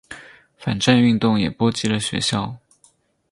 反战运动也波及了学校。